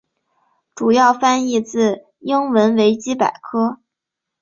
主要翻译自英文维基百科。